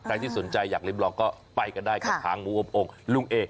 ที่สนใจอยากริมลองก็ไปกันได้กับหางหมูอบองค์ลุงเอ